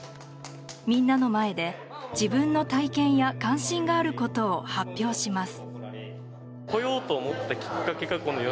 みんなの前で自分の体験や関心があることを発表します。